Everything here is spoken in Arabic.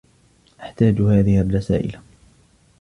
أحتاج هذه الرسائل.